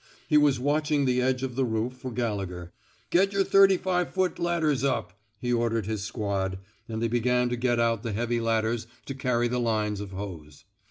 He was watching the edge of the roof for Gallegher. *' Get yer thirty five foot ladders up/* he ordered his squad, and they began to get out the heavy ladders to carry the lines of hose.